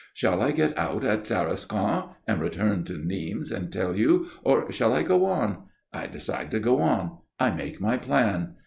Shall I get out at Tarascon and return to Nîmes and tell you, or shall I go on? I decide to go on. I make my plan.